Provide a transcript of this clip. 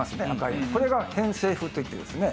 これが偏西風といってですね